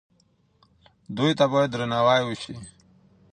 دوی ته باید درناوی وشي.